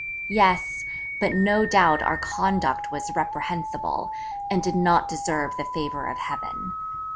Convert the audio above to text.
Yes; but no doubt our conduct was reprehensible, and did not deserve the favour of Heaven.